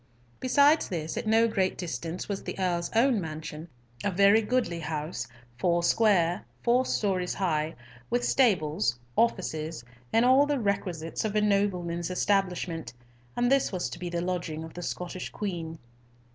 Besides this, at no great distance, was the Earl's own mansion, "a very goodly house, four square, four stories high," with stables, offices, and all the requisites of a nobleman's establishment, and this was to be the lodging of the Scottish Queen.